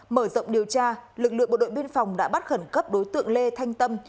mở rộng điều tra lực lượng bộ đội biên phòng đã bắt khẩn cấp đối tượng lê thanh tâm